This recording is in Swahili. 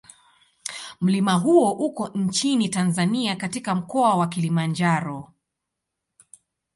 Mlima huo uko nchini Tanzania katika Mkoa wa Kilimanjaro.